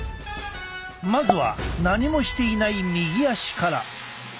まずは何もしていない右足から。